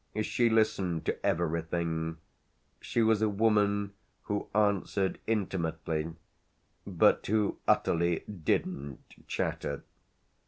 She listened to everything; she was a woman who answered intimately but who utterly didn't chatter.